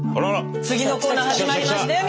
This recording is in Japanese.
次のコーナー始まりましたよ